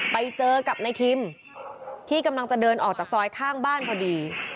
ไปเจอกับนายทิมที่กำลังจะเดินออกจากซอยข้างบ้านพอดี